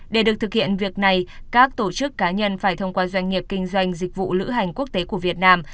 để được thực hiện việc này các tổ chức cá nhân phải thông qua doanh nghiệp kinh doanh dịch vụ lữ hành quốc tế của việt nam